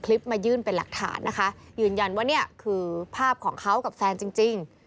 คลิปมายื่นเป็นหลักฐานนะคะยืนยันว่าเนี่ยคือภาพของเขากับแฟนจริงจริง